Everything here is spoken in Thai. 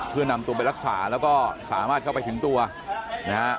เพื่อนำตัวไปรักษาแล้วก็สามารถเข้าไปถึงตัวนะฮะ